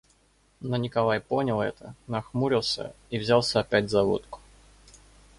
Но Николай понял это, нахмурился и взялся опять за водку.